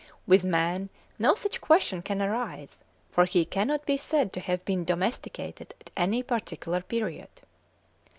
With man no such question can arise, for he cannot be said to have been domesticated at any particular period.